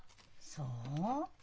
そう？